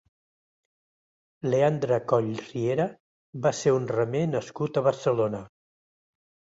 Leandre Coll Riera va ser un remer nascut a Barcelona.